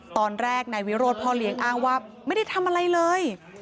ตอนแรกนายวิโรธพ่อเลี้ยงอ้างว่าไม่ได้ทำอะไรเลย